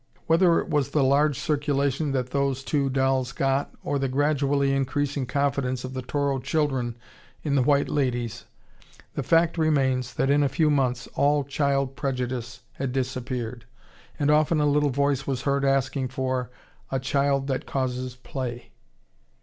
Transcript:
Whether it was the large circulation that those two dolls got, or the gradually increasing confidence of the Toro children in the white ladies, the fact remains that in a few months all childish prejudice had disappeared, and often a little voice was heard asking for "a child that causes play."